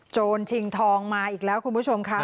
ชิงทองมาอีกแล้วคุณผู้ชมค่ะ